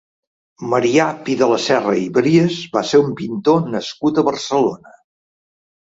Marià Pidelaserra i Brias va ser un pintor nascut a Barcelona.